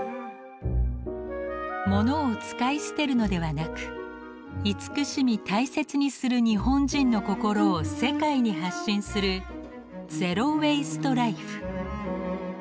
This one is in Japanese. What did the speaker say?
物を使い捨てるのではなく慈しみ大切にする日本人の心を世界に発信する「ＺｅｒｏＷａｓｔｅＬｉｆｅ」。